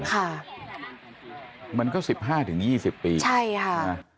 ค่ะมันก็สิบห้าถึงยี่สิบปีใช่ค่ะ